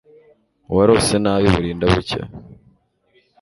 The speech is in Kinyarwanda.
uwarose nabi burinda bucya